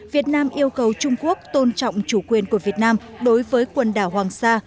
việt nam yêu cầu trung quốc tôn trọng chủ quyền của việt nam đối với quần đảo hoàng sa